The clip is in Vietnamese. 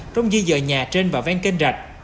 trong di dời nhà trên và ven kinh rạch